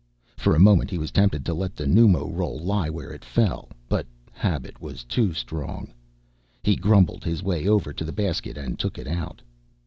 For a moment he was tempted to let the pneumo roll lie where it fell, but habit was too strong. He grumbled his way over to the basket and took it out.